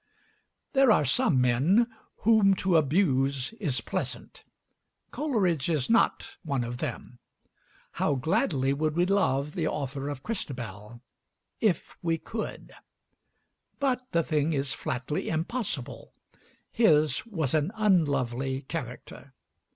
There are some men whom to abuse is pleasant. Coleridge is not one of them. How gladly we would love the author of 'Christabel' if we could! But the thing is flatly impossible. His was an unlovely character.